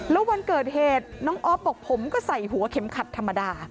แล้ววันเกิดเหตุน้องออฟบอกผมก็ใส่หัวเข็มขัดธรรมดา